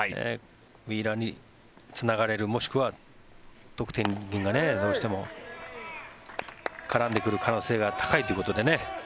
ウィーラーにつながれるもしくは得点がどうしても絡んでくる可能性が高いということでね。